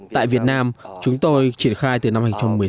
tại việt nam chúng tôi triển khai từ năm hai nghìn một mươi sáu